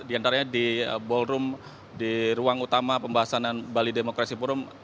di antaranya di ballroom di ruang utama pembahasan bali demokrasi forum